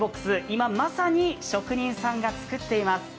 今まさに職人さんが作っています。